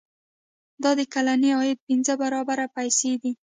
دا د کلني عاید پنځه برابره پیسې دي.